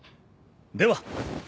では。